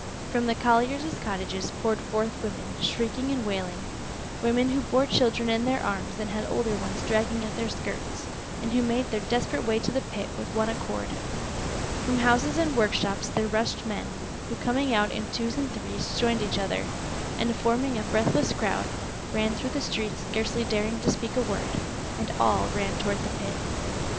From the colliers' cottages poured forth women, shrieking and wailing, women who bore children in their arms and had older ones dragging at their skirts, and who made their desperate way to the pit with one accord. From houses and workshops there rushed men, who coming out in twos and threes joined each other, and forming a breathless crowd, ran through the streets scarcely daring to speak a word and all ran toward the pit.